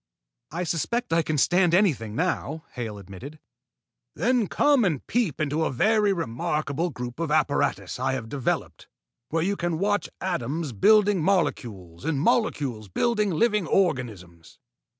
"I suspect I can stand anything now," Hale admitted. "Then come and peep into a very remarkable group of apparatus I have developed, where you can watch atoms building molecules and molecules building living organisms."